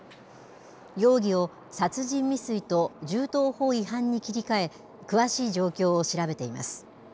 容疑を殺人未遂と銃刀法違反に切り替え、詳しい状況を調べています。